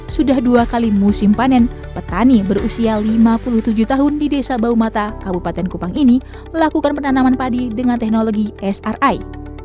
sudah dua kali musim panen petani berusia lima puluh tujuh tahun di desa baumata kabupaten kupang ini melakukan penanaman padi dengan teknologi sri